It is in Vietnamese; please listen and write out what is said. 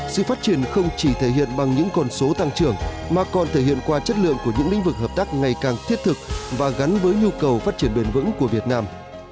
sự phát triển không chỉ thể hiện bằng những con số tăng trưởng mà còn thể hiện qua chất lượng của những lĩnh vực hợp tác ngày càng thiết thực và gắn với nhu cầu phát triển bền vững của việt nam